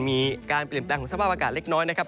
มีการเปลี่ยนแปลงของสภาพอากาศเล็กน้อยนะครับ